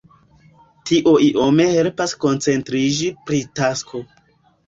Tio iom helpas koncentriĝi pri tasko.